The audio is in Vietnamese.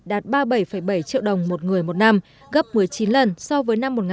đạt ba mươi bảy bảy triệu đồng một người một năm gấp một mươi chín lần so với năm một nghìn chín trăm tám mươi